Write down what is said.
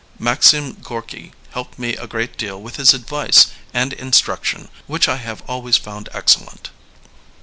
Maxim Gorky helped me a great deal with his advice and instruction, which I have always found excellent.